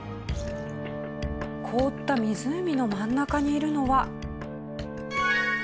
凍った湖の真ん中にいるのは。